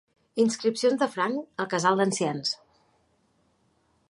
Inscripcions de franc al casal d'ancians.